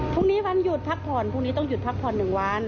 พรุ่งนี้วันหยุดพักผ่อนพรุ่งนี้ต้องหยุดพักผ่อนหนึ่งวัน